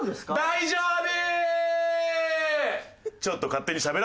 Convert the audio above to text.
大丈夫。